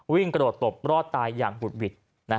กระโดดตบรอดตายอย่างบุดหวิด